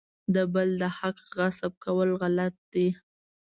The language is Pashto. د بل د حق غصب کول غلط دي.